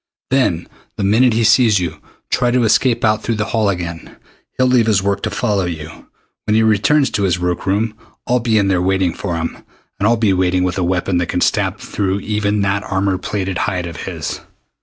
Then the minute he sees you, try to escape out through the hall again. He'll leave his work to follow you. When he returns to his work room I'll be in there waiting for him. And I'll be waiting with a weapon that can stab through even that armor plated hide of his!"